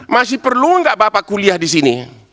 masih perlu nggak bapak kuliah di sini